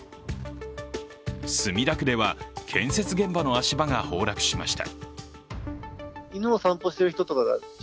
墨田区では建設現場の足場が崩落しました。